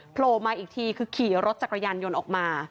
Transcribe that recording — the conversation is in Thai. โผล่มาอีกทีคือขี่รถจักรยานยนต์ออกมา